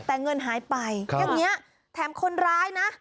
แต่เงินหายไปอย่างนี้แถมคนร้ายนะ